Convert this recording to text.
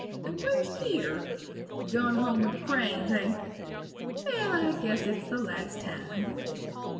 And where's Kier? Gun hum with the Cranes, hey! Well, I guess it's the last time.